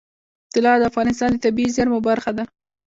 طلا د افغانستان د طبیعي زیرمو برخه ده.